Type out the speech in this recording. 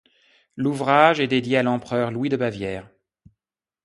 L'ouvrage est dédié à l'empereur Louis de Bavière.